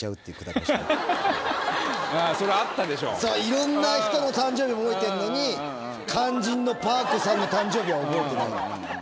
いろんな人の誕生日覚えてんのに肝心のパー子さんの誕生日は覚えてない。